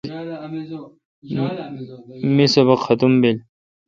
می سبق ختم بیل